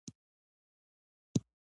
په ټوله لار کې مې د واده صحنې، ښکلې ناوې،